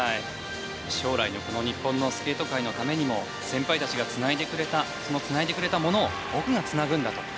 将来の日本のスケート界のためにも先輩たちがつないでくれたものを僕がつなぐんだと。